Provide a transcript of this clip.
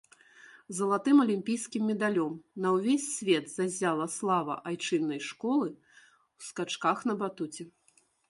Залатым алімпійскім медалём на ўвесь свет заззяла слава айчыннай школы ў скачках на батуце.